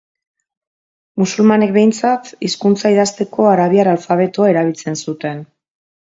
Musulmanek, behintzat, hizkuntza idazteko arabiar alfabetoa erabiltzen zuten.